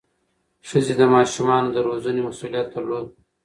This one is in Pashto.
ښځې د ماشومانو د روزنې مسؤلیت درلود.